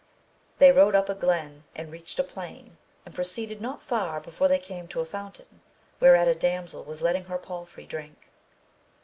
They, rode up a glen and reached a plain, and proceeded not far before they came to a fountain, whereat a damsel was letting her palfrey drink.